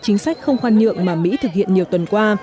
chính sách không khoan nhượng mà mỹ thực hiện nhiều tuần qua